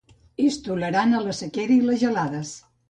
És tolerant a la sequera i les gelades.